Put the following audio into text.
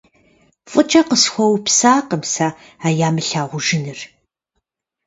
ФӀыкӀэ къысхуэупсакъым сэ а ямылъагъужыныр.